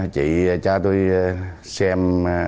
chị cho tôi xem